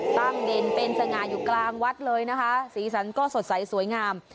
เด่นเป็นสง่าอยู่กลางวัดเลยนะคะสีสันก็สดใสสวยงาม